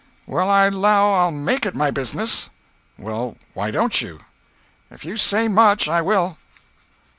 "Well I 'low I'll make it my business." "Well why don't you?" "If you say much, I will."